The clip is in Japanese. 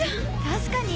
確かに。